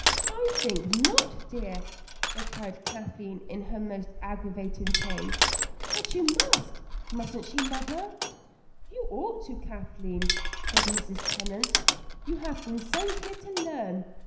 "I think not, dear," replied Kathleen in her most aggravating tone. "But you must. Mustn't she, mother?" "You ought to, Kathleen," said Mrs. Tennant. "You have been sent here to learn.